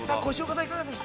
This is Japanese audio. いかがでした？